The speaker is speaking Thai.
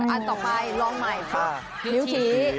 อันต่อไปลองใหม่ครับนิ้วขี